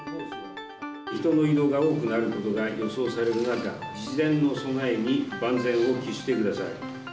人の移動が多くなることが予想される中、事前の備えに万全を期してください。